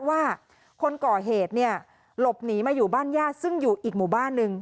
ว่าคนก่อเหตุเนี่ยหลบหนีมาอยู่บ้านญาติซึ่งอยู่อีกหมู่บ้านหนึ่ง